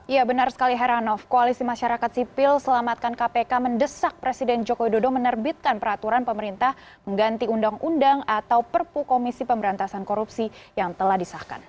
ya benar sekali heranov koalisi masyarakat sipil selamatkan kpk mendesak presiden joko widodo menerbitkan peraturan pemerintah mengganti undang undang atau perpu komisi pemberantasan korupsi yang telah disahkan